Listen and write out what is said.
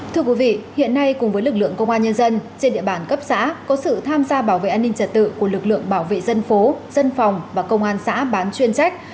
thưa quý vị hiện nay cùng với lực lượng công an nhân dân trên địa bàn cấp xã có sự tham gia bảo vệ an ninh trật tự của lực lượng bảo vệ dân phố dân phòng và công an xã bán chuyên trách